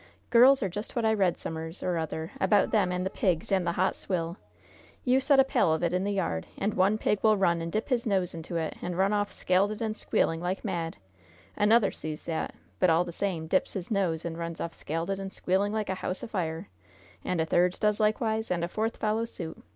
Girls are just what I read som'er's or other about them and the pigs and the hot swill. You set a pail of it in the yard, and one pig will run and dip his nose into it, and run off scalded and squealing like mad; another sees that, but, all the same, dips his nose and runs off scalded and squealing like a house afire; and a third does likewise, and a fourth follows suit!